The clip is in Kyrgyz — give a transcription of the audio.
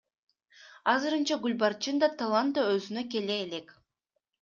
Азырынча Гүлбарчын да, Талант да өзүнө келе элек.